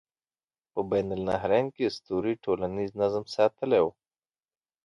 په بین النهرین کې اسطورې ټولنیز نظم ساتلی و.